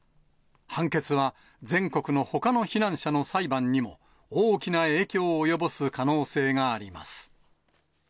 判決は、全国のほかの避難者の裁判にも大きな影響を及ぼす可能性があります。